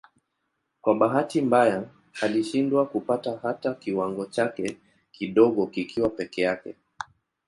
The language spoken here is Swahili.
Kwa bahati mbaya alishindwa kupata hata kiwango chake kidogo kikiwa peke yake.